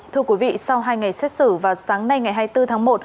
thưa quý vị sau hai ngày xét xử vào sáng nay ngày hai mươi bốn tháng một